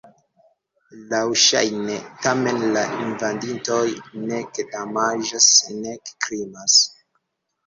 Laŭŝajne, tamen, la invadintoj nek damaĝas nek krimas.